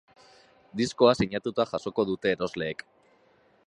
Diskoa sinatuta jasoko dute erosleek.